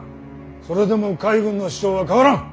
それでも海軍の主張は変わらん！